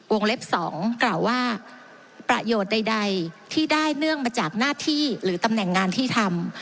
เล็บ๒กล่าวว่าประโยชน์ใดที่ได้เนื่องมาจากหน้าที่หรือตำแหน่งงานที่ทำ